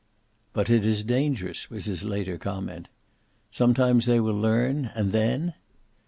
"But it is dangerous," was his later comment. "Sometimes they will learn, and then?"